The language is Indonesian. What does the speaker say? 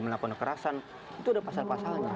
melakukan kekerasan itu ada pasal pasalnya